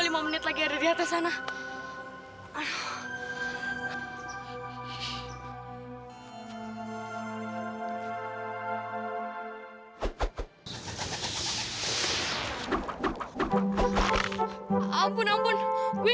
sampai jumpa di video selanjutnya